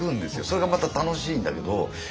それがまた楽しいんだけど。